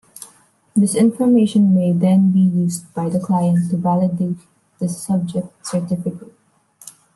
This information may then be used by the client to validate the subject certificate.